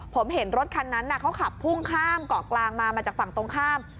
ผมเห็นรถคันนั้นเขาขับพุ่งข้ามเกาะกลางมามาจากฝั่งตรงข้าม